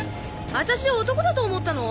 私を男だと思ったの？